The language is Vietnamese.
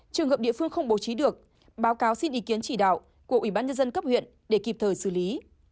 trường hợp địa phương không bố trí được báo cáo xin ý kiến chỉ đạo của ủy ban nhân dân cấp huyện để kịp thời xử lý